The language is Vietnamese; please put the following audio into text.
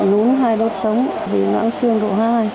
chấn thương hai đốt súng lưng và loãng xương độ hai